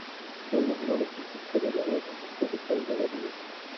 রামমোহন অনেকক্ষণ চুপ করিয়া রহিল, তাহার চোখে জল দেখা দিল।